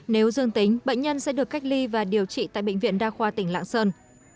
nếu dương tính bệnh nhân sẽ được cách ly và điều trị tại bệnh viện đa khoa tỉnh lạng sơn